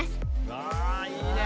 あいいね！